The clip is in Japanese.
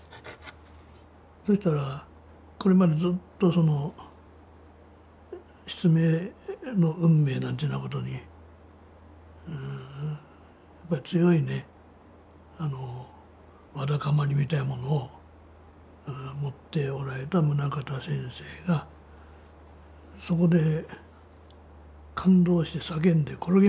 そしたらこれまでずっとその失明の運命なんていうようなことに強いねわだかまりみたいなものを持っておられた棟方先生がそこで感動して叫んで転げ回ったっちゅう。